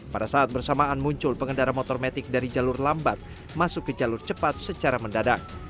pada saat bersamaan muncul pengendara motor metik dari jalur lambat masuk ke jalur cepat secara mendadak